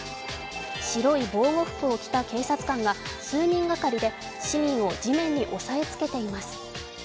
白い防護服を着た警察官が数人がかりで市民を地面に押さえつけています。